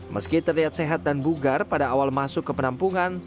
meski terlihat sehat dan bugar pada awal masuk ke penampungan